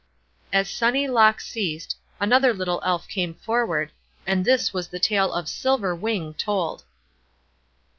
As Sunny Lock ceased, another little Elf came forward; and this was the tale "Silver Wing" told.